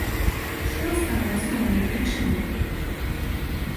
Што стала асноўнай прычынай?